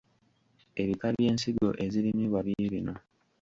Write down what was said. Ebika by’ensigo ezirimibwa biibino.